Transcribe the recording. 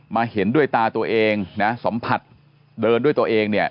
เห็นด้วยตาตัวเองนะสัมผัสเดินด้วยตัวเองเนี่ย